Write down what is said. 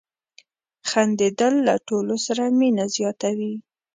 • خندېدل له ټولو سره مینه زیاتوي.